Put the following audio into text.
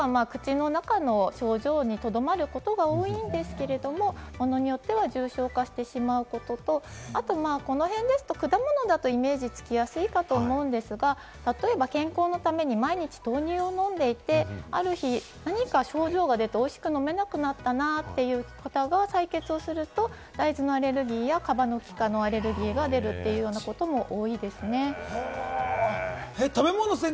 多くは口の中の症状にとどまることが多いんですけれども、物によっては重症化してしまうことと、あとこの辺ですと果物だとイメージがつきやすいかと思うんですが、例えば、健康のために毎日豆乳を飲んでいて、ある日、おいしく飲めなくなったなという方が、採血をすると大豆のアレルギーはカバノキ科のアレルギーが出るようなことも多いですね。